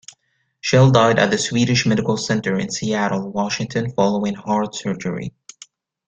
Schell died at the Swedish Medical Center in Seattle, Washington following heart surgery.